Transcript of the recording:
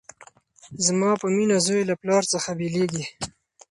زما په مینه زوی له پلار څخه بیلیږي